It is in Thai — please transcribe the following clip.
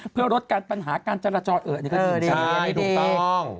เพื่อลดการปัญหาการจราจรเอ่อนี่ก็ดีถูกต้อง